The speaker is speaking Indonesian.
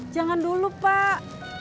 jangan dulu pak